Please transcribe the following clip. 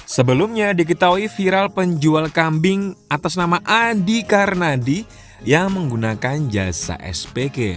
sebelumnya diketahui viral penjual kambing atas nama andi karnadi yang menggunakan jasa spg